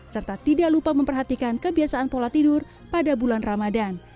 serta tidak lupa memperhatikan kebiasaan pola tidur pada bulan ramadan